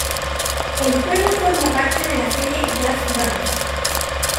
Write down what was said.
El juego forma parte de la serie Just Dance.